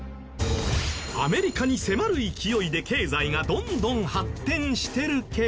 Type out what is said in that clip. アメリカに迫る勢いで経済がどんどん発展してるけど。